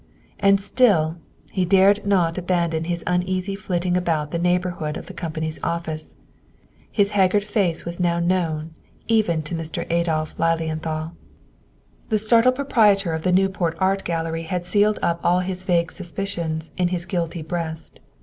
And still, he dared not abandon his uneasy flitting about the neighborhood of the company's office. His haggard face was now known, even to Mr. Adolph Lilienthal. The startled proprietor of the Newport Art Gallery had sealed up all his vague suspicions in his guilty breast.